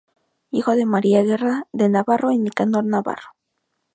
Hijo de María Guerra de Navarro y Nicanor Navarro.